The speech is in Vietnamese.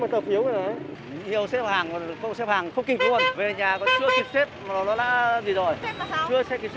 mình kết cơ nhớ lời nhớ lời nhớ lời nhớ lời